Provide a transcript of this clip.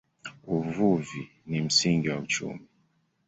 Uvuvi ni msingi wa uchumi.